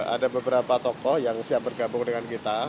ada beberapa tokoh yang siap bergabung dengan kita